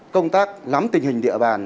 công tác lắm tình hình địa bàn